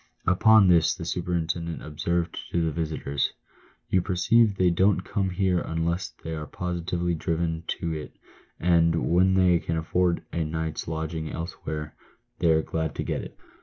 Upon this the superintendent observed to the visitors: "You perceive they don't come here unless they are positively driven to it, and when they can afford a night's lodging elsewhere they are glad to get it."